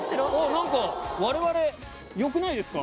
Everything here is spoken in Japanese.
なんかわれわれ良くないですか？